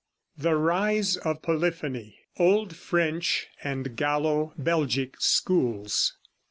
THE RISE OF POLYPHONY. OLD FRENCH AND GALLO BELGIC SCHOOLS.